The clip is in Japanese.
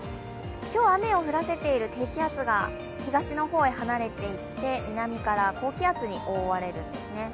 今日雨を降らせている低気圧が東の方へ離れていって南から高気圧に覆われるんですね。